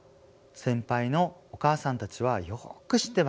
先輩のお母さんたちはよく知ってます。